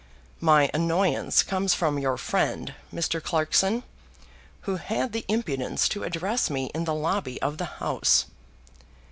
"My annoyance comes from your friend, Mr. Clarkson, who had the impudence to address me in the lobby of the House."